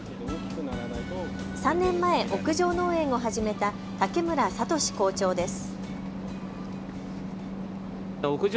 ３年前、屋上農園を始めた竹村郷校長です。